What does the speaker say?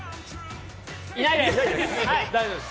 いないです！